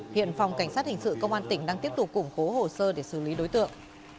hiện phòng cảnh sát hình sự công an tỉnh đang tiếp tục củng cố hồ sơ để xử lý đối tượng